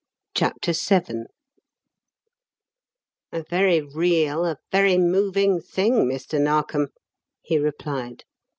CHAPTER VII "A very real, a very moving thing, Mr. Narkom," he replied.